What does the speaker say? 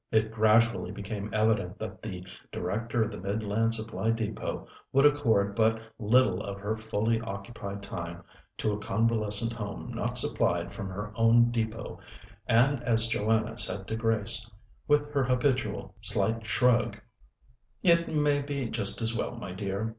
It gradually became evident that the Director of the Midland Supply Depôt would accord but little of her fully occupied time to a convalescent home not supplied from her own depôt, and as Joanna said to Grace, with her habitual slight shrug: "It may be just as well, my dear.